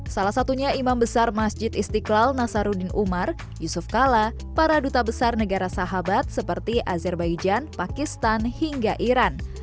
salah satunya imam besar masjid istiqlal nasaruddin umar yusuf kala para duta besar negara sahabat seperti azerbaijan pakistan hingga iran